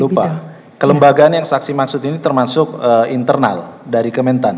lupa kelembagaan yang saksi maksud ini termasuk internal dari kementan